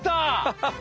ハハハ。